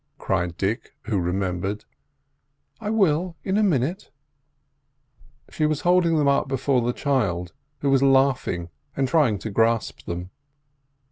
cried Dick, who remembered. "I will in a minute," she replied. She was holding them up before the child, who was laughing and trying to grasp them.